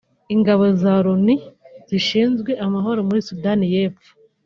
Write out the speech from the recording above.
Ingabo za Loni zishinzwe amahoro muri Sudani y’Amajyepfo